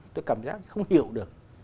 tôi cảm giác không hiểu được